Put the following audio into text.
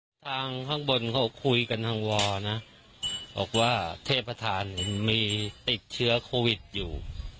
สาธารณ์ทางห้างบนเขาคุยกันทางวัลนะบอกว่าเทพประทานมีติดเชื้อโควิดอยู่